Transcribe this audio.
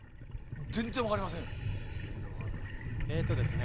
全然、分かりません。